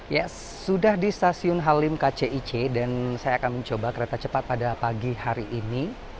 ya sudah di stasiun halim kcic dan saya akan mencoba kereta cepat pada pagi hari ini